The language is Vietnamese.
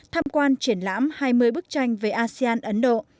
tham quan triển lãm hai mươi bức tranh về asean ấn độ